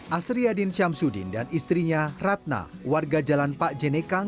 asri yadin syamsuddin dan istrinya ratna warga jalan pak jenekang